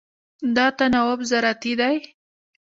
دا تناوب زراعتي دی.